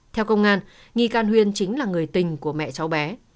theo công an nghi can huyên chính là người tình của mẹ cháu bé